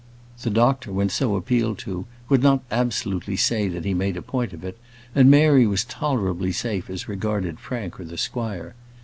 The doctor, when so appealed to, would not absolutely say that he made a point of it, and Mary was tolerably safe as regarded Frank or the squire.